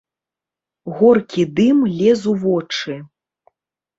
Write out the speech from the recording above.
Горкі дым лез у вочы.